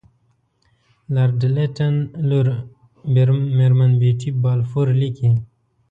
لارډ لیټن لور میرمن بیټي بالفور لیکي.